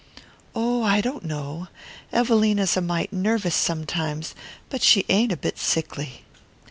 "Oh, I don't know. Evelina's a mite nervous sometimes, but she ain't a bit sickly."